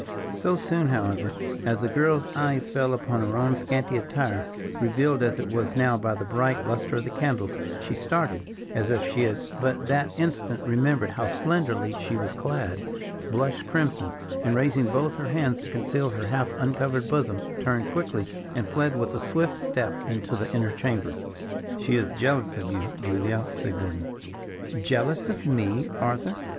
So soon, however, as the girl's eye fell upon her own scanty attire, revealed as it was now by the bright lustre of the candles, she started, as if she had but that instant remembered how slenderly she was clad; blushed crimson, and raising both her hands to conceal her half uncovered bosom, turned quickly, and fled with a swift step into the inner chamber. "She is jealous of you, Julia," said Gordon. "Jealous of me, Arthur?"